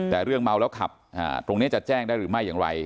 แต่เรื่องเมาแล้วขับตรงนี้จะแจ้งได้หรือไม่อย่างไร